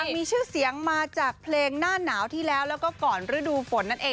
มีชื่อเสียงมาจากเพลงหน้าหนาวที่แล้วแล้วก็ก่อนฤดูฝนนั่นเอง